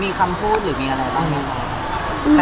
มีคำพูดหรือมีอะไรบ้างมีค่ะมีค่ะ